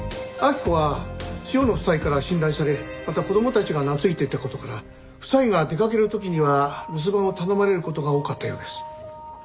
明子は塩野夫妻から信頼されまた子供たちが懐いていた事から夫妻が出かける時には留守番を頼まれる事が多かったようです。